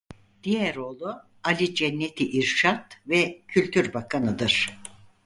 Diğer oğlu Ali Cenneti İrşad ve Kültür Bakanı'dır.